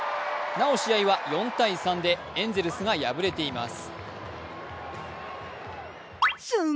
なお、試合は４−３でエンゼルスが敗れています。